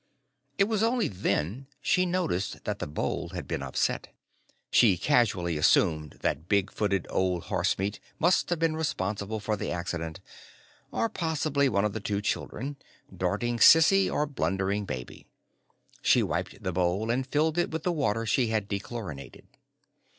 It was only then she noticed that the bowl had been upset. She casually assumed that big footed Old Horsemeat must have been responsible for the accident, or possibly one of the two children darting Sissy or blundering Baby. She wiped the bowl and filled it with the water she had dechlorinated.